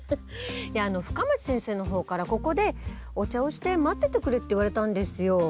いや深町先生の方からここでお茶をして待っててくれって言われたんですよ。